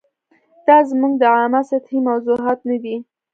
دا زموږ د عامه سطحې موضوعات نه دي.